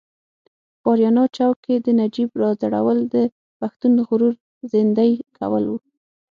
په اریانا چوک کې د نجیب راځړول د پښتون غرور زیندۍ کول و.